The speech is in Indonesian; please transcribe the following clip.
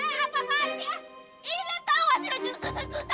ya kalau emang candy itu korban penculikan juga